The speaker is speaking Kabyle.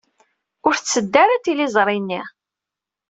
Ur tetteddu ara tliẓri-nni.